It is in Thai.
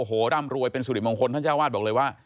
โอ้โหร่ำรวยเป็นสุริมงคลท่านเจ้าวาดบอกเลยว่า